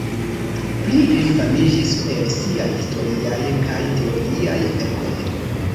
Pli li famiĝis per siaj historiaj kaj teologiaj verkoj.